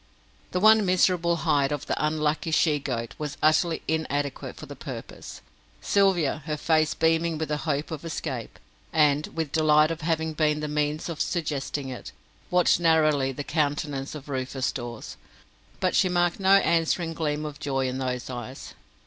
The one miserable hide of the unlucky she goat was utterly inadequate for the purpose. Sylvia her face beaming with the hope of escape, and with delight at having been the means of suggesting it watched narrowly the countenance of Rufus Dawes, but she marked no answering gleam of joy in those eyes.